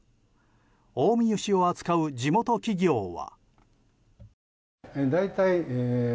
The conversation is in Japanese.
近江牛を扱う地元企業は。